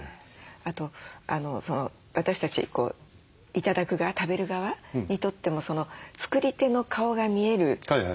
あと私たち頂く側食べる側にとっても作り手の顔が見えるもの。